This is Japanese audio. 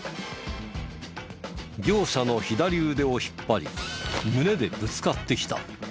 業者の左腕を引っ張り胸でぶつかってきた。